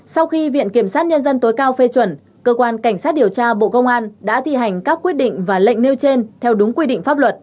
sau khi viện kiểm sát nhân dân tối cao phê chuẩn cơ quan cảnh sát điều tra bộ công an đã thi hành các quyết định và lệnh nêu trên theo đúng quy định pháp luật